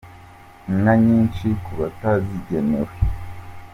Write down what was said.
inka nyinshi ku batazigenewe.